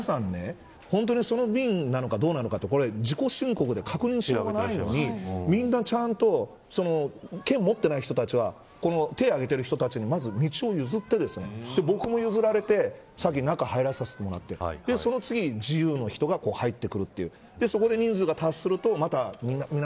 でもこれ、皆さん本当にその便なのかどうなのか自己申告で確認しようがないのに皆ちゃん券を持っていない人たちは手をあげてる人たちにまず道を譲って僕も譲られて先に中に入らせてもらってその次に自由の人が入ってくるという。